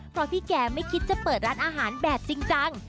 เพราะพี่แกไม่คิดจะเปิดร้านอาหารแบบจริงจัง